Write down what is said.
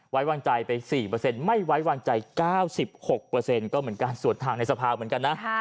ไว้วางใจไป๔เปอร์เซ็นต์ไม่ไว้วางใจ๙๖เปอร์เซ็นต์